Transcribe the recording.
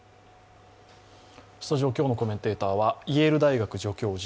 スタジオ、今日のコメンテーターはイェール大学助教授